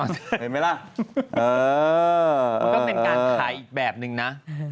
มันก็เป็นการขายอีกแบบนึงนะ